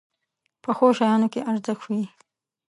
پخو شیانو کې ارزښت وي